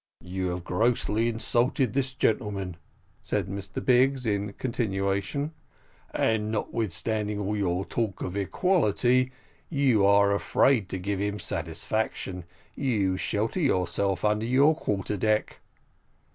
"You have grossly insulted this gentleman," said Mr Biggs, in continuation; "and notwithstanding all your talk of equality, you are afraid to give him satisfaction you shelter yourself under your quarter deck."